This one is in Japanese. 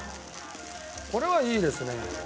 これはいいですね。